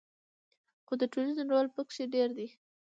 خو د ټولنې رول پکې ډیر دی.